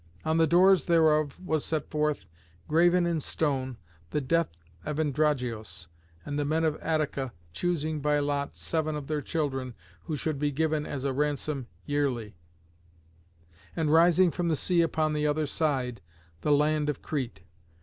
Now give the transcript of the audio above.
On the doors thereof was set forth, graven in stone, the death of Androgeos, and the men of Attica choosing by lot seven of their children who should be given as a ransom yearly; and, rising from the sea upon the other side, the land of Crete.